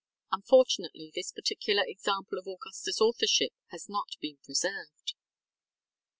Unfortunately this particular example of AugustaŌĆÖs authorship has not been preserved.